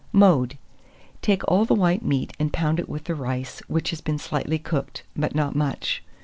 Mode. Take all the white meat and pound it with the rice, which has been slightly cooked, but not much.